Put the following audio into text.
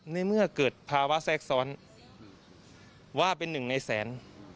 ในเมื่อเกิดภาวะแทรกซ้อนว่าเป็นหนึ่งในแสน